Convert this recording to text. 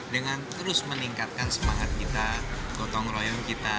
dengan terus meningkatkan semangat kita gotong royong kita